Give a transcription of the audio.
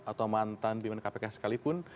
atau mantan bpnkpk sekalipun